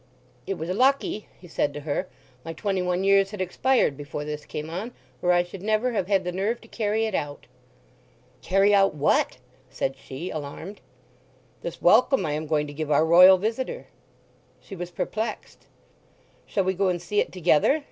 "It was lucky," he said to her, "my twenty one years had expired before this came on, or I should never have had the nerve to carry it out." "Carry out what?" said she, alarmed. "This welcome I am going to give our Royal visitor." She was perplexed. "Shall we go and see it together?"